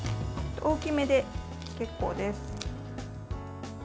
大きめで結構です。